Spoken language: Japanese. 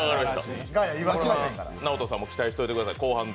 ＮＡＯＴＯさんも期待していてください。